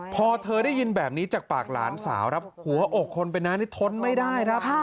พอเธอได้ยินแบบนี้จากปากหลานสาวครับหัวอกคนเป็นน้านี่ทนไม่ได้ครับ